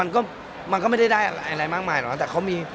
มันก็มันก็ไม่ได้ได้อะไรมากมายหรอกนะแต่เขามี